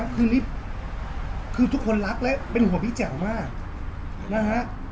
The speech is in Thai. คือนี่คือทุกคนรักและเป็นห่วงพี่แจ๋วมากนะฮะ